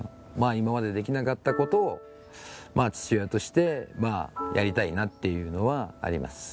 今までできなかったことを、父親としてやりたいなっていうのはあります。